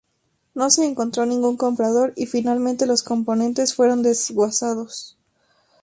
No se encontró ningún comprador y finalmente los componentes fueron desguazados.